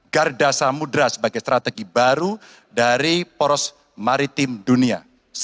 garda samudera sebagai strategi baru dari poros maritim dunia